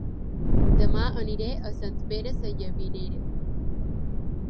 Dema aniré a Sant Pere Sallavinera